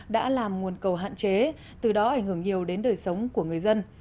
đã làm nguồn cầu hạn chế từ đó ảnh hưởng nhiều đến đời sống của người dân